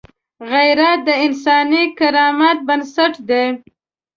غیرت د انساني کرامت بنسټ دی